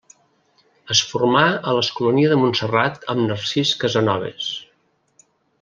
Es formà a l'Escolania de Montserrat amb Narcís Casanoves.